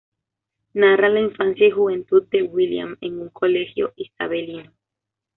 Narra la infancia y juventud de William en un colegio isabelino.